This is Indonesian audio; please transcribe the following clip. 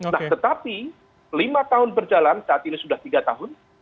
nah tetapi lima tahun berjalan saat ini sudah tiga tahun